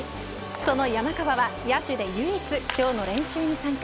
その山川は野手で唯一今日の練習に参加。